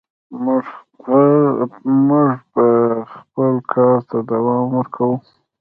موږ به خپل کار ته دوام ورکوو.